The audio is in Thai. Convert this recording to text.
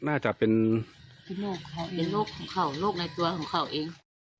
เป็นโรคของเขาเป็นโรคในตัวของเขาเอง